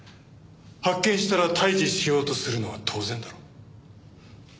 発見したら退治しようとするのは当然だろ。